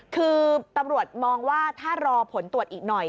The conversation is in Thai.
คือตำรวจมองว่าถ้ารอผลตรวจอีกหน่อย